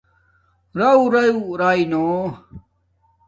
رَورَݸ رائ نو